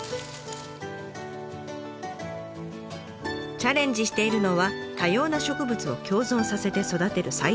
チャレンジしているのは多様な植物を共存させて育てる栽培法。